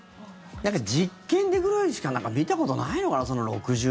なんか実験でぐらいしか見たことないのかな。